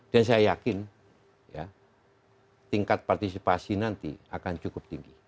dan saya yakin tingkat partisipasi nanti akan cukup tinggi